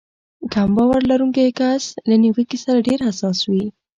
کم باور لرونکی کس له نيوکې سره ډېر حساس وي.